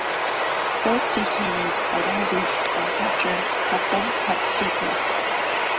Ghost detainees' identities, and capture, have been kept secret.